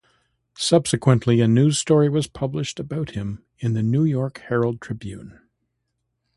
Subsequently, a news story was published about him in the "New York Herald-Tribune".